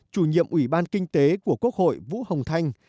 chủ nhiệm ủy ban kinh tế của quốc hội vũ hồng thanh